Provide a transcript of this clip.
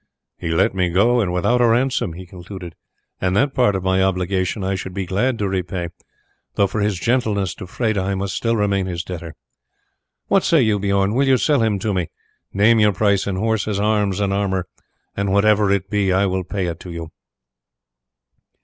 "He let me go free and without a ransom," he concluded, "and that part of my obligation I should be glad to repay, though for his gentleness to Freda I must still remain his debtor. What say you, Bijorn, will you sell him to me? Name your price in horses, arms, and armour, and whatever it be I will pay it to you."